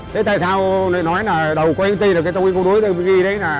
thế tại sao người ta nói là đầu quay phương tây là cái tông yên cung đối